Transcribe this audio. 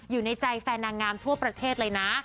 อยู่ในใจแฟนนางงามทั่วประเทศเลยนะ